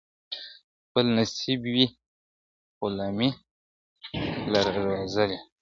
خپل نصیب وي غلامۍ لره روزلي ,